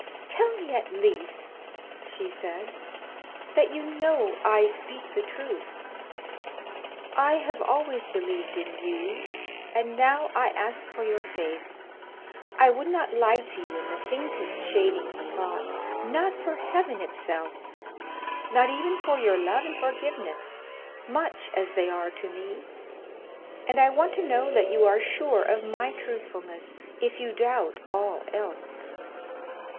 "Tell me at least," she said, "that you know I speak the truth. I have always believed in you, and now I ask for your faith. I would not lie to you in the faintest shading of a thought not for heaven itself not even for your love and forgiveness, much as they are to me, and I want to know that you are sure of my truthfulness, if you doubt all else.